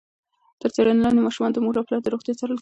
تر څېړنې لاندې ماشومان د مور او پلار د روغتیا څارل کېږي.